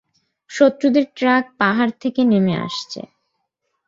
শত্রুদের ট্রাক পাহাড় থেকে নেমে আসছে!